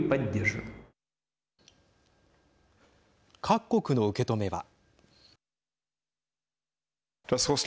各国の受け止めは。